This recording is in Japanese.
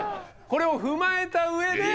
これを踏まえた上で。